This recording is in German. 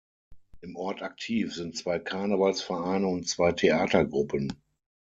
Im Ort aktiv sind zwei Karnevalsvereine und zwei Theatergruppen.